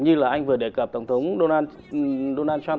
như là anh vừa đề cập tổng thống donald trump